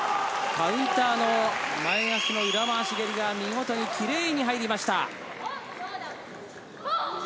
カウンターの前足の裏回し蹴りは見事にキレイに入りました。